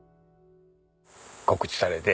告知されて。